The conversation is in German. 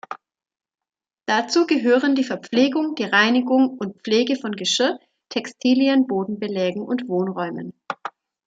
Dazu gehören die Verpflegung, die Reinigung und Pflege von Geschirr, Textilien, Bodenbelägen und Wohnräumen.